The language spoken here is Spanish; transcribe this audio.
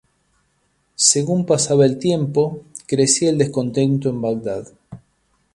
Según pasaba el tiempo, crecía el descontento en Bagdad.